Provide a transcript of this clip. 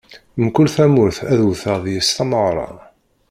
Mkul tamurt, ad wteɣ deg-s tameɣra.